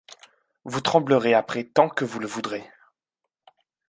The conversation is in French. Vous tremblerez après tant que vous le voudrez.